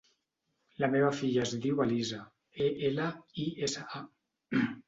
La meva filla es diu Elisa: e, ela, i, essa, a.